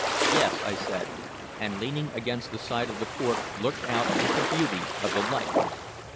"Yes," I said, and, leaning against the side of the port, looked out at the beauty of the light.